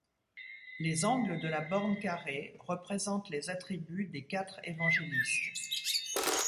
Les angles de la borne carrée représentent les attributs des quatre Évangélistes.